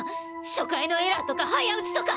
初回のエラーとか早打ちとか！